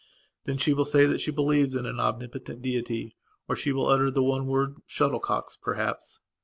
Then she will say that she believes in an Omnipotent Deity or she will utter the one word "shuttle cocks", perhaps.